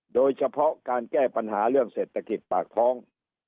โดยเฉพาะการแก้ปัญหาเรื่องเศรษฐกิจปากท้อง